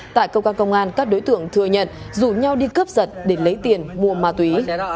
tại cơ quan công an các đối tượng thừa nhận rủ nhau đi cướp giật để lấy tiền mua ma túy